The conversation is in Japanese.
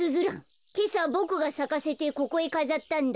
けさボクがさかせてここへかざったんだ。